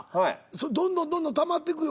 どんどんどんどんたまってくよ